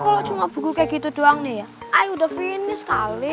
kalau cuma buku kayak gitu doang nih ya ayo udah finish sekali